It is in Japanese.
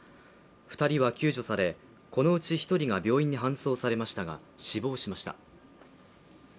２人は救助され、このうち１人が病院に搬送されましたが、死亡しました。